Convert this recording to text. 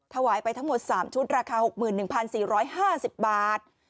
ถวายไปทั้งหมด๓ชุดราคา๖๑๔๕๐บาท